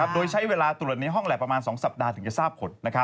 โดยใช้เวลาตรวจในห้องแหละประมาณ๒สัปดาห์ถึงจะทราบผล